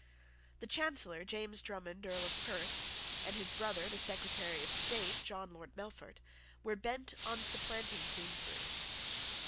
The Chancellor, James Drummond, Earl of Perth, and his brother, the Secretary of State, John Lord Melfort, were bent on supplanting Queensberry.